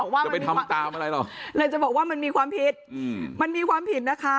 ก็เลยจะบอกว่ามันมีความผิด